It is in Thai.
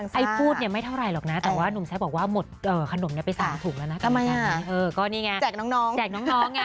แซมบอกว่าหมดขนมเนี้ยไปสามถุงแล้วนะทำไมอ่ะเออก็นี่ไงแจกน้องแจกน้องไง